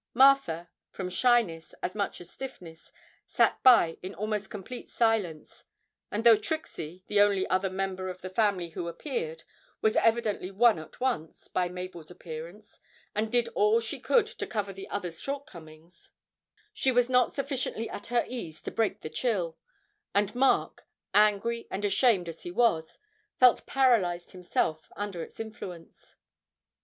Martha, from shyness as much as stiffness, sat by in almost complete silence; and though Trixie, the only other member of the family who appeared, was evidently won at once by Mabel's appearance, and did all she could to cover the others' shortcomings, she was not sufficiently at her ease to break the chill; and Mark, angry and ashamed as he was, felt paralysed himself under its influence.